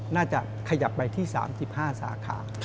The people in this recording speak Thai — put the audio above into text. น่าจะขยับไปที่๓๕สาขา